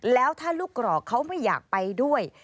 แล้วถ้าลูกกรอกเขาไม่อยากไปด้วย